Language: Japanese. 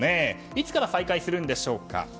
いつから再開するんでしょうか？